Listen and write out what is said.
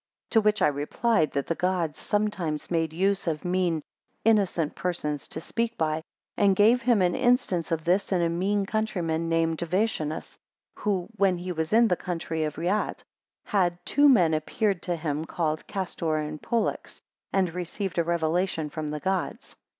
6 To which I replied, That the Gods sometimes made use of mean (innocent) persons to speak by, and gave him an instance of this in a mean countryman named Vatienus, who, when he was in the country of Reate, had two men appeared to him, called Castor and Pollux, and received a revelation from the gods.